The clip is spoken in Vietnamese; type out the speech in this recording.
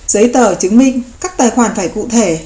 giấy tờ chứng minh các tài khoản phải cụ thể